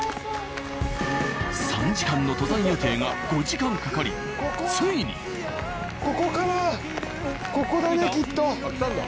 ３時間の登山予定が５時間かかりついに！来たんだ！？